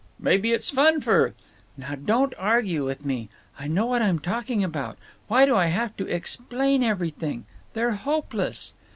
"Maybe it's fun for—" "Now don't argue with me. I know what I'm talking about. Why do I have to explain everything? They're hopeless!"